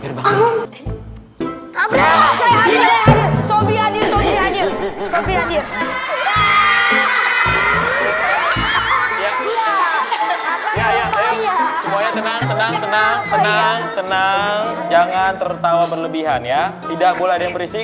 semuanya tenang tenang tenang tenang jangan tertawa berlebihan ya tidak boleh berisi